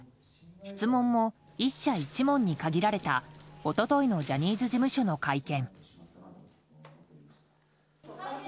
質問も１社１問に限られた一昨日のジャニーズ事務所の会見。